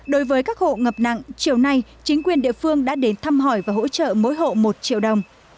đối với các hộ ngập nặng chiều nay chính quyền địa phương đã đến thăm hỏi và hỗ trợ mỗi hộ một triệu đồng